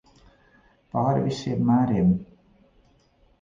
Pāri visiem mēriem.